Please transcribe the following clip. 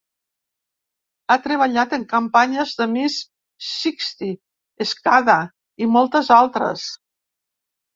Ha treballat en campanyes de Miss Sixty, Escada i moltes altres.